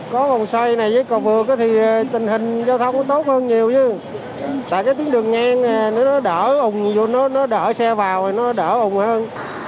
có vòng xoay này với cầu vực thì tình hình giao thông tốt hơn nhiều chứ tại cái tuyến đường ngang này nó đỡ ủng nó đỡ xe vào thì nó đỡ ủng hơn